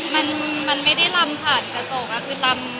มันไม่ได้ลำผ่านกระจกคือลำ